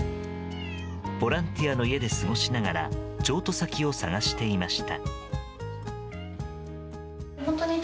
ボランティアの家で過ごしながら譲渡先を探していました。